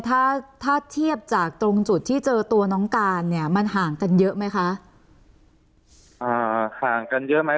ถ้าถ้าเทียบจากตรงจุดที่เจอตัวน้องการเนี่ยมันห่างกันเยอะไหมคะอ่าห่างกันเยอะไหม